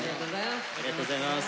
ありがとうございます。